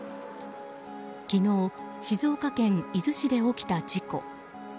昨日、静岡県伊豆市で起きた事故。